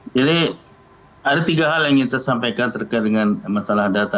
jadi ada tiga hal yang ingin saya sampaikan terkait dengan masalah data